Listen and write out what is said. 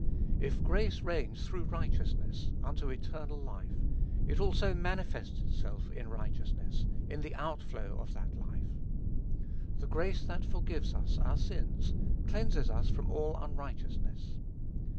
If "grace reigns through righteousness unto eternal life," it also manifests itself in righteousness, in the outflow of that life. The grace that forgives us our sins, cleanses us from all unrighteousness.